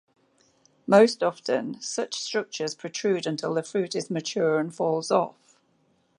Most often such structures protrude until the fruit is mature and falls off.